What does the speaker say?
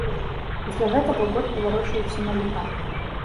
Пасля гэтага год паварочваўся на лета.